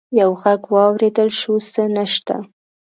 يو غږ واورېدل شو: څه نشته!